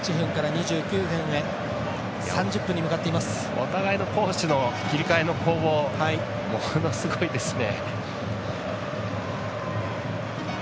お互いの攻守の切り替えの攻防ものすごいですね。